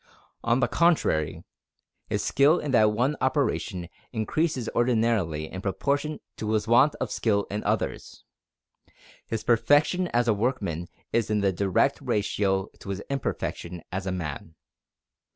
On the contrary his skill in that one operation increases ordinarily in proportion to his want of skill in others. His perfection as a workman is in the direct ratio to his imperfection as a man.